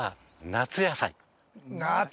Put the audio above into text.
夏野菜。